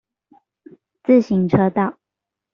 自行車道